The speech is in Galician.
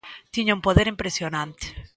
Tiña un poder impresionante.